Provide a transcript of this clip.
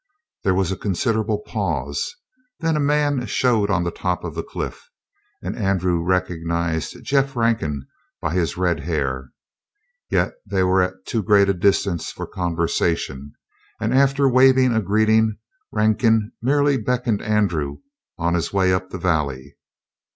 There was a considerable pause; then a man showed on the top of the cliff, and Andrew recognized Jeff Rankin by his red hair. Yet they were at too great a distance for conversation, and after waving a greeting, Rankin merely beckoned Andrew on his way up the valley.